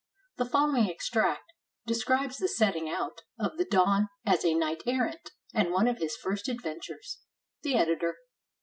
The following extract describes the setting out of the Don as a knight errant, and one of his first adventures. The Editor.